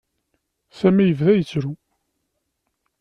Sami yebda yettru.